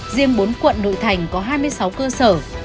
riêng bốn quận nội thành có hai mươi sáu cơ sở